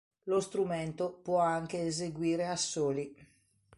Lo strumento può anche eseguire assoli.